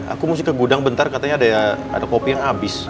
aku mesti ke gudang bentar katanya ada kopi yang habis